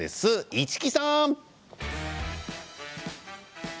市来さん。